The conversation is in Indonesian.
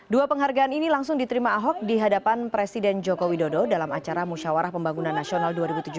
dua penghargaan ini langsung diterima ahok di hadapan presiden joko widodo dalam acara musyawarah pembangunan nasional dua ribu tujuh belas